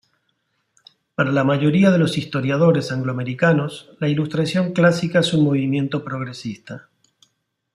Para la mayoría de los historiadores anglo-americanos, la Ilustración clásica es un movimiento progresista.